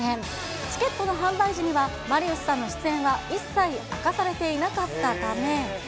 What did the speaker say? チケットの販売時には、マリウスさんの出演は一切明かされていなかったため。